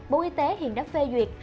bộ y tế hiện đã phê duyệt